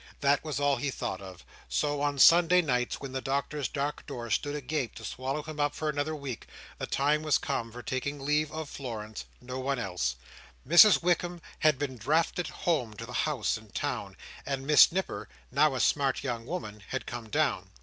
That was all he thought of. So, on Sunday nights, when the Doctor's dark door stood agape to swallow him up for another week, the time was come for taking leave of Florence; no one else. Mrs Wickam had been drafted home to the house in town, and Miss Nipper, now a smart young woman, had come down.